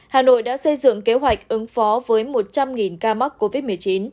hà nội đã xây dựng kế hoạch ứng phó với một trăm linh ca mắc covid một mươi chín